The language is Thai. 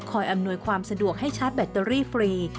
อำนวยความสะดวกให้ชาร์จแบตเตอรี่ฟรี